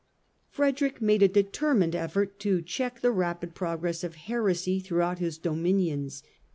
Frederick made a determined effort to check the rapid progress of heresy throughout his dominions.